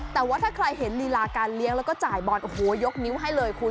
แต่ว่าถ้าใครเห็นลีลาการเลี้ยงแล้วก็จ่ายบอลโอ้โหยกนิ้วให้เลยคุณ